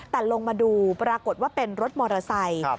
แต่ลงมาดูปรากฏว่าเป็นรถมอเตอร์ไซค์